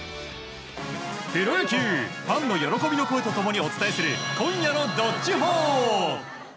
プロ野球ファンの喜びの声と共にお伝えする今夜の「＃どっちほー」。